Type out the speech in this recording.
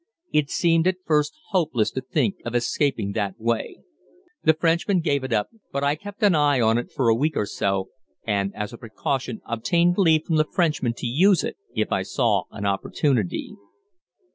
It seemed at first hopeless to think of escaping that way. The Frenchmen gave it up, but I kept an eye on it for a week or so, and as a precaution obtained leave from the Frenchmen to use it if I saw an opportunity.